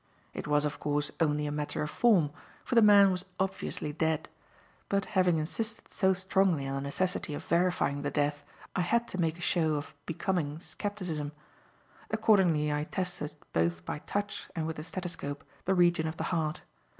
It was, of course, only a matter of form, for the man was obviously dead; but having insisted so strongly on the necessity of verifying the death I had to make a show of becoming scepticism. Accordingly I tested, both by touch and with the stethoscope, the region of the heart.